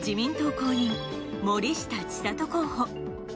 公認森下千里候補。